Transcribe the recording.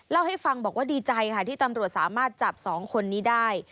เล่าให้ฟังบอกว่าดีใจค่ะที่ตำรวจสามารถจับ๒คนนี้ได้